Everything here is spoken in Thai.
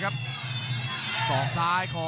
คมทุกลูกจริงครับโอ้โห